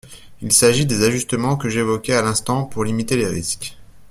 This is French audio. Il s’agit des ajustements que j’évoquais à l’instant pour limiter les risques.